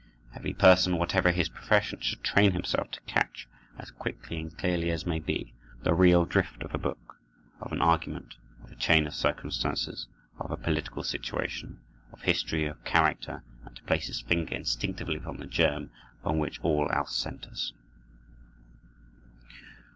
Every person, whatever his profession, should train himself to catch, as quickly and clearly as may be, the real drift of a book, of an argument, of a chain of circumstances, of a political situation, of history, of character, and to place his finger instinctively upon the germ upon which all else centers.